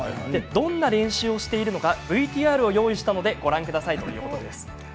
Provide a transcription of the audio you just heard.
どんな練習をしているのかＶＴＲを用意したのでご覧くださいということです。